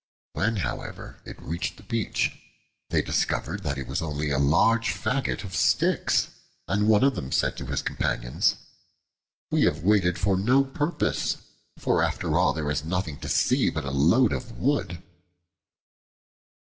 When however it reached the beach, they discovered that it was only a large faggot of sticks, and one of them said to his companions, "We have waited for no purpose, for after all there is nothing to see but a load of wood."